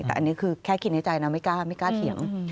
แต่อันนี้คือแค่ขี้ในใจนะไม่กล้าเถียง